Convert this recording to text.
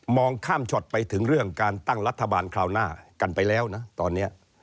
ข้ามช็อตไปถึงเรื่องการตั้งรัฐบาลคราวหน้ากันไปแล้วนะตอนนี้